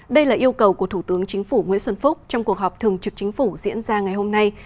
đây là yêu cầu của thủ tướng chính phủ nguyễn xuân phúc trong cuộc họp thường trực chính phủ diễn ra ngày hôm nay